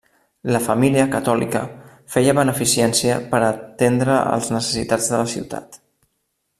La família, catòlica, feia beneficència per atendre els necessitats de la ciutat.